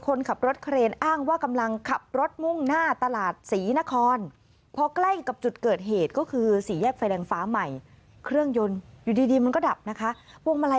คนขับรถเครนอ้างว่ากำลังขับรถมุ่งหน้าตลาดศรีนคร